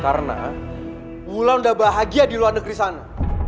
karena wulandari udah bahagia di luar negeri sana